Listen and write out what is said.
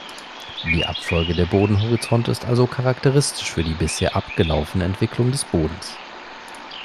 Die Abfolge der Bodenhorizonte ist also charakteristisch für die bisher abgelaufene Entwicklung des Bodens.